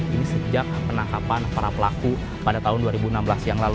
ini sejak penangkapan para pelaku pada tahun dua ribu enam belas yang lalu